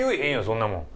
そんなもん。